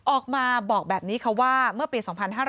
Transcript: ออกมาบอกแบบนี้ค่ะว่าเมื่อปี๒๕๕๙